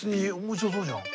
面白そうじゃん。